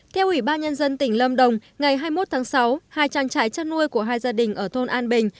theo ubnd tỉnh lâm đồng ngày hai mươi một tháng sáu hai chàng trái chất nuôi của hai gia đình ở thôn an bình